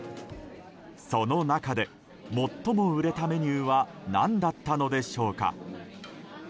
その中で最も売れたメニューは何だったのでしょうか。